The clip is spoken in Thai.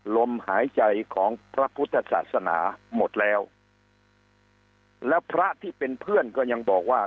ลมหายใจของพระพุทธศาสนาหมดแล้วแล้วพระที่เป็นเพื่อนก็ยังบอกว่า